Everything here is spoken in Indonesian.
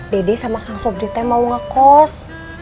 dede sama kang sobri teh mau ngekos